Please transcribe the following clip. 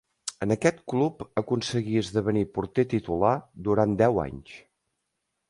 En aquest club aconseguí esdevenir porter titular durant deu anys.